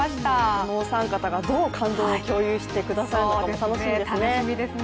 このお三方がどう感動を共有してくださるのかも楽しみですね。